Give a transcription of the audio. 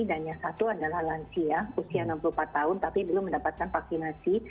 dan yang satu adalah lansia usia enam puluh empat tahun tapi belum mendapatkan vaksinasi